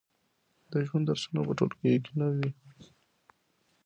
د ژوند درسونه په ټولګیو کې نه وي.